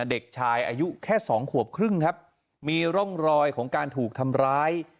เด็กชายอายุแค่สองขวบครึ่งครับมีร่องรอยของการถูกทำร้าย